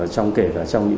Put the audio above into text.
trong kể và trong dịch bệnh